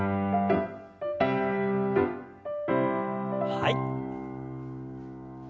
はい。